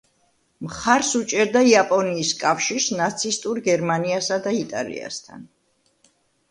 მხარს უჭერდა იაპონიის კავშირს ნაცისტურ გერმანიასა და იტალიასთან.